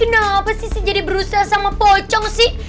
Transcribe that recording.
kenapa sih sih jadi berusaha sama pocong sih